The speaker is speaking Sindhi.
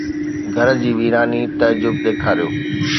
گھر جي ويراني تعجب! ڏيکاريو